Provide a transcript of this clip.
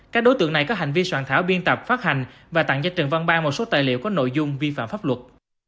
các đối tượng này có hành vi soạn thảo biên tập phát hành và tặng cho trần văn ban một số tài liệu có nội dung vi phạm pháp luật